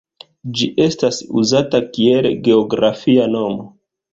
Ĝi estas uzata kiel geografia nomo.